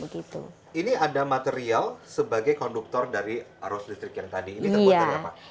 ini ada material sebagai konduktor dari arus listrik yang tadi ini terbuat dari apa